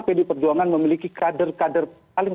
pd perjuangan memiliki kader kader paling